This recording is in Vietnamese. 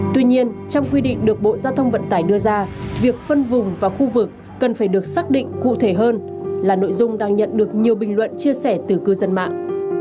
tuy nhiên trong quy định được bộ giao thông vận tải đưa ra việc phân vùng vào khu vực cần phải được xác định cụ thể hơn là nội dung đang nhận được nhiều bình luận chia sẻ từ cư dân mạng